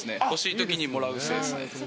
欲しいときにもらうスタイルですね。